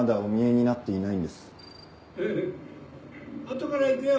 後から行くよ。